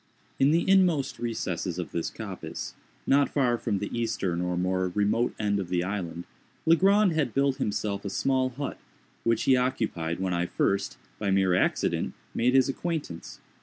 In the inmost recesses of this coppice, not far from the eastern or more remote end of the island, Legrand had built himself a small hut, which he occupied when I first, by mere accident, made his acquaintance.